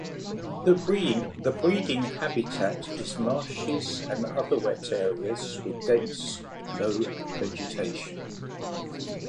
The breeding habitat is marshes and other wet areas with dense low vegetation.